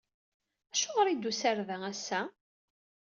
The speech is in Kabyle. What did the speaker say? Acuɣer i d-tusa ɣer da ass-a?